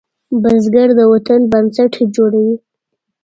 بزګر د وطن بنسټ جوړوي